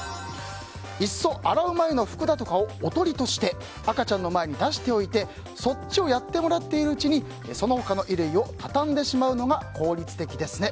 いっそ洗う前の服だとかをおとりとして赤ちゃんの前に出しておいてそっちをやってもらっているうちにその他の衣類を畳んでしまうのが効率的ですね。